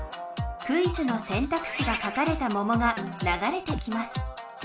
クイズの選択肢が書かれたモモが流れてきます。